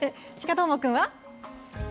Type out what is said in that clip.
どーもくんは？